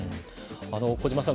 小島さん